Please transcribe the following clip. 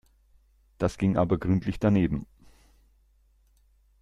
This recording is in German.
Das ging aber gründlich daneben.